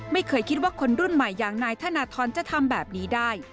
ไม่เคยคิดว่าคนรุ่นใหม่อย่างนายธนทรจะทำแบบนี้ได้